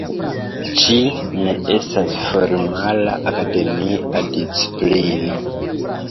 Ĝi ne estas formala akademia disciplino.